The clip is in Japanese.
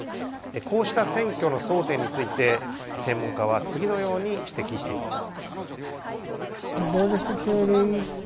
こうした選挙の争点について専門家は次のように指摘しています。